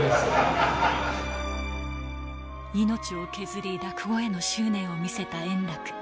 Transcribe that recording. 命を削り、落語への執念を見せた円楽。